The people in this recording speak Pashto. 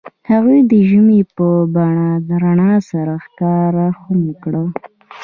هغوی د ژمنې په بڼه رڼا سره ښکاره هم کړه.